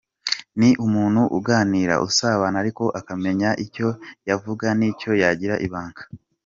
Ni umuntu uganira, usabana ariko akamenya icyo yavuga nicyo yagira ibanga.